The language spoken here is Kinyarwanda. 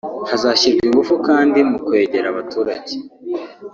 Hazashyirwa ingufu kandi mu kwegera abaturage